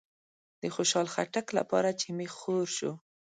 د خوشحال خټک لپاره چې می خور شو